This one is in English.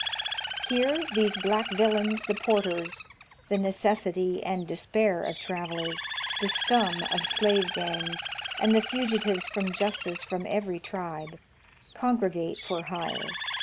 Here these black villains the porters — the necessity and despair of travelers, the scum of slave gangs, and the fugitives from justice from every tribe — congregate for hire.